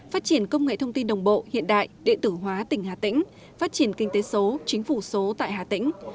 phát triển công nghệ thông tin đồng bộ hiện đại điện tử hóa tỉnh hà tĩnh phát triển kinh tế số chính phủ số tại hà tĩnh